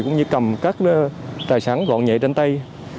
cũng như cầm các tài sản gọn nhẹ trên tay